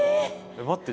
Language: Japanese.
待って。